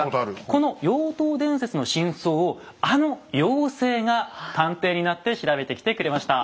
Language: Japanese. この妖刀伝説の真相をあの妖精が探偵になって調べてきてくれました。